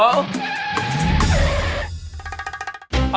ฮัลโหล